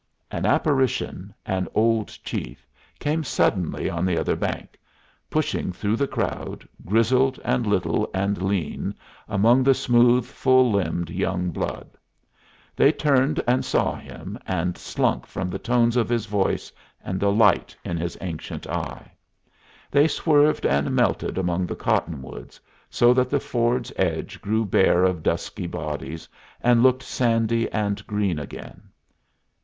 An apparition, an old chief, came suddenly on the other bank, pushing through the crowd, grizzled and little and lean, among the smooth, full limbed young blood. They turned and saw him, and slunk from the tones of his voice and the light in his ancient eye. They swerved and melted among the cottonwoods, so that the ford's edge grew bare of dusky bodies and looked sandy and green again.